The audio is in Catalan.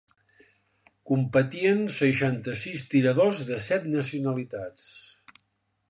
Competien seixanta-sis tiradors de set nacionalitats.